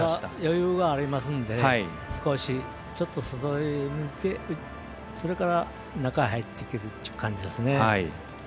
余裕がありますんで少し外に出てそれから、中へ入ってくるという感じですね。